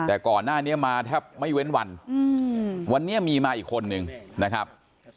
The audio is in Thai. แต่ก่อนหน้านี้มาแทบไม่เว้นวันวันนี้มีมาอีกคนนึงนะครับ